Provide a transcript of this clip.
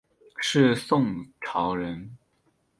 是宋朝人。